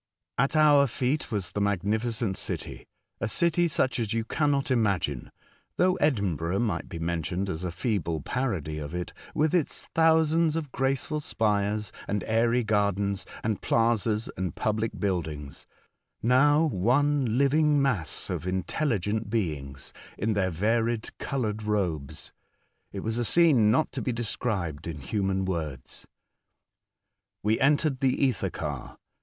At our feet was the magnificent city — a city such as you cannot imagine (though Edinburgh might be mentioned as a feeble parody of it), with its thousands of graceful spires, and airy gardens and plazas and public buildings — now one living mass of intelligent beings, in their varied coloured robes. It was a scene not to be described in human words. "We entered the ether car.